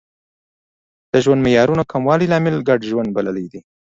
د ژوند معیارونو کموالی لامل ګډ ژوند بللی دی